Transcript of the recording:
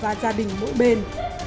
với họ và gia đình mỗi bên